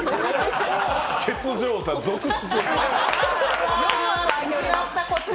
欠場者、続出！